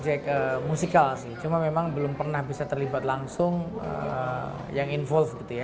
jadi saya yakin anak anak ini akan menjadi seseorang yang berkarakter gedenya